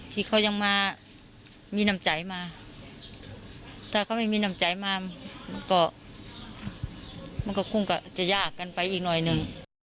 ที่เขายังมามีน้ำใจมาถ้าเขาไม่มีน้ำใจมามันก็มันก็คงก็จะยากกันไปอีกหน่อยหนึ่ง